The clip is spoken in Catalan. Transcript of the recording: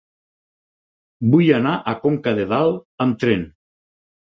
Vull anar a Conca de Dalt amb tren.